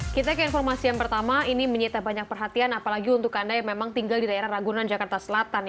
kita ke informasi yang pertama ini menyita banyak perhatian apalagi untuk anda yang memang tinggal di daerah ragunan jakarta selatan